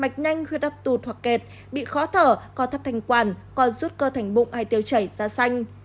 mạch nhanh khuyết đắp tụt hoặc kẹt bị khó thở co thấp thành quản co rút cơ thành bụng hay tiêu chảy da xanh